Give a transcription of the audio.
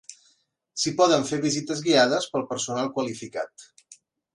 S'hi poden fer visites guiades per personal qualificat.